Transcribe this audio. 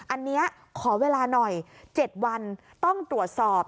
อันนี้ขอเวลาหน่อย๗วันต้องตรวจสอบ